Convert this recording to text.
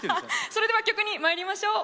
それでは曲にまいりましょう。